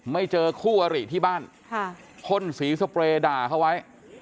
ไม่เจอคู่อริที่บ้านพ่นสีสเปรย์ด่าเขาไว้